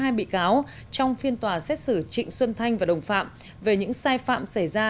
và hai mươi hai bị cáo trong phiên tòa xét xử trịnh xuân thanh và đồng phạm về những sai phạm xảy ra